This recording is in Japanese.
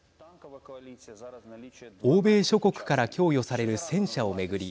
欧米諸国から供与される戦車を巡り